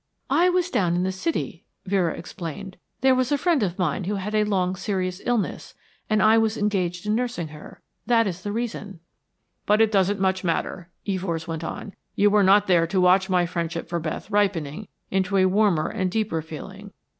"I was down in the city," Vera explained. "There was a friend of mine who had had a long serious illness, and I was engaged in nursing her. That is the reason." "But it doesn't much matter," Evors went on. "You were not there to watch my friendship for Beth ripening into a warmer and deeper feeling.